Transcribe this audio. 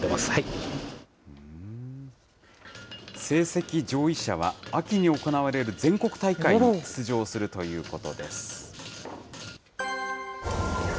成績上位者は、秋に行われる全国大会に出場するということです。